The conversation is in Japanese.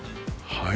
はい